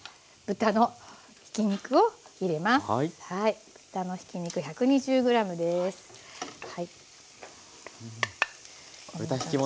豚のひき肉１２０ｇです。